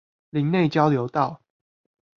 林內交流道